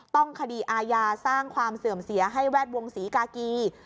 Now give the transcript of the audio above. ต้องคดีอาญาสร้างความเสื่อมเสียให้แวดวงศรีกากี